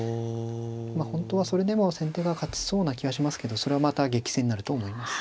まあ本当はそれでも先手が勝ちそうな気がしますけどそれはまた激戦になると思います。